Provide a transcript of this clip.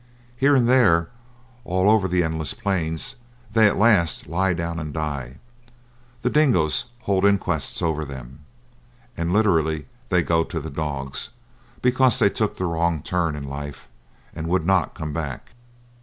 Here and there, all over the endless plains, they at last lie down and die, the dingoes hold inquests over them, and, literally, they go to the dogs, because they took the wrong turn in life and would not come back.